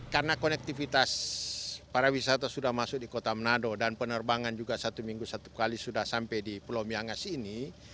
karena konektivitas para wisata sudah masuk di kota manado dan penerbangan juga satu minggu satu kali sudah sampai di pulau myangas ini